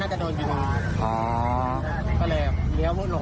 เขาจะชนให้ล้มด้วยแหละแต่ว่าเขาเอาไม่อยู่